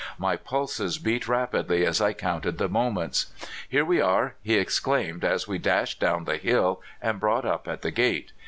My pulses beat rap idly as I counted the moments. '*Here we are! " he exclaimed, as we dashed down the hill and brought up at the gate.